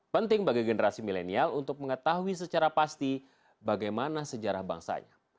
penting bagi generasi milenial untuk mengetahui secara pasti bagaimana sejarah bangsanya